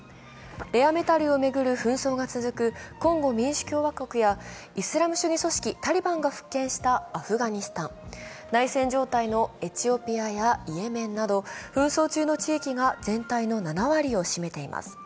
レアメタルを巡る紛争が続くコンゴ民主共和国やイスラム主義組織タリバンが復権したアフガニスタン、内戦状態のエチオピアやイエメンなど紛争中の地域が全体の７割を占めています。